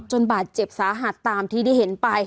บาดเจ็บสาหัสตามที่ได้เห็นไป